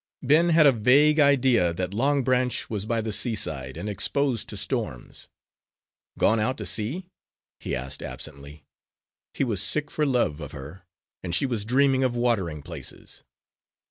Ben had a vague idea that Long Branch was by the seaside, and exposed to storms. "Gone out to sea?" he asked absently. He was sick for love of her, and she was dreaming of watering places.